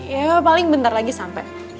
ya paling bentar lagi sampai